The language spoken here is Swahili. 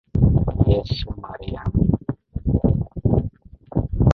Yesu Mariamu.